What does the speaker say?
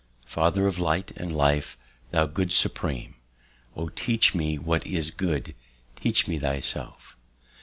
"Father of light and life, thou Good Supreme! O teach me what is good; teach me Thyself!